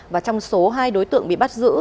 và trong số hai đối tượng bị bắt giữ